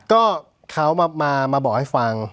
ก็เขามาบอกให้ฟัง